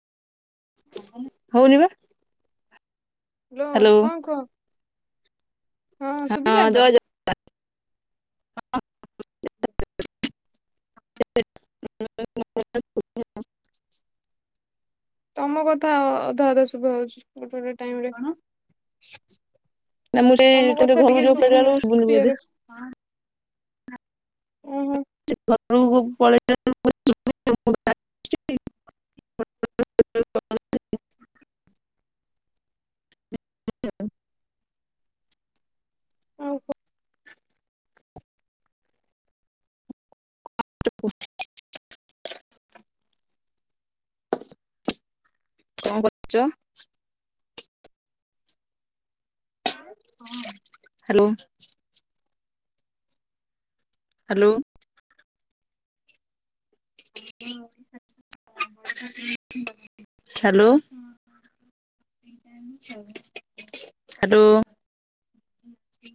ହଉନି ବା ହ୍ୟାଲୋ ହଁ କୁହ ହଁ ଶୁଭିଲା ତ? ଜୟ ଜ [inaudible] [inaudible] ତମ କଥା ଅ ଅଧା ଅଧା ଶୁଭାଯାଉଛି। ଗୋଟେ ଗୋଟେ ଟାଇମ୍ କଣ? ତମ କଥା ଓ ହୋ। ଘରକୁ ଯୋଉ ପଳେଇଲା ବେଳକୁ [unintelligible] ହଁ [inaudible] ଓଉହୋ [inaudible] କଣ କରୁଛ? ହଁ ହ୍ୟାଲୋ। Hello [inaudible] hello. ହାଲୋ